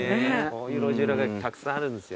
こういう路地裏がたくさんあるんですよね。